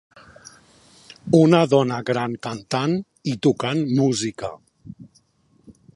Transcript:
Una dona gran cantant i tocant música.